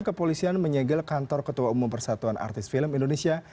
kepolisian menyegel kantor ketua umum persatuan artis film indonesia